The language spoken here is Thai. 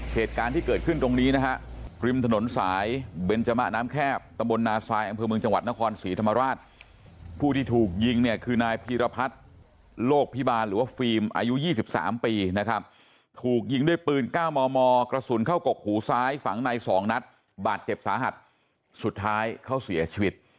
เหตุการณ์ที่เกิดขึ้นตรงนี้นะฮะริมถนนสายเบนจมะน้ำแคบตำบลนาซายอำเภอเมืองจังหวัดนครศรีธรรมราชผู้ที่ถูกยิงเนี่ยคือนายพีรพัฒน์โลกพิบาลหรือว่าฟิล์มอายุ๒๓ปีนะครับถูกยิงด้วยปืน๙มมกระสุนเข้ากกหูซ้ายฝังใน๒นัดบาดเจ็บสาหัสสุดท้ายเขาเสียชีวิต